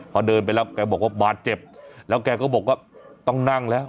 พอเดินไปแล้วแกบอกว่าบาดเจ็บแล้วแกก็บอกว่าต้องนั่งแล้ว